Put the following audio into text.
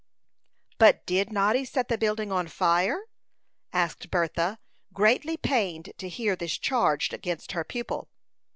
"But did Noddy set the building on fire?" asked Bertha, greatly pained to hear this charge against her pupil.